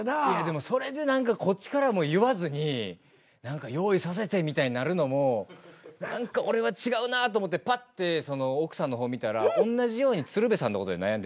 それで何かこっちからも言わずに用意させてみたいになるのも何か俺は違うなと思ってパッて奥さんの方見たらおんなじように鶴瓶さんの事で悩んでて。